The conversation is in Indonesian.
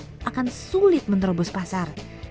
yang akan sulit menerobos pasar